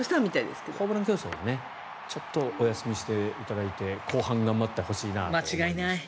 ホームラン競争はちょっとお休みしていただいて後半頑張ってほしいなと思います。